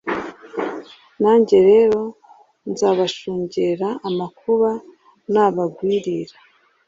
nanjye rero nzabashungera amakuba nabagwirira